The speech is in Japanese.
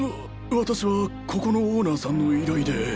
私はここのオーナーさんの依頼で。